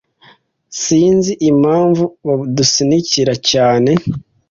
Sinzi impamvu badusunikira cyane.